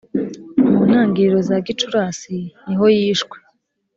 mu ntangiriro za gicurasi niho yishwe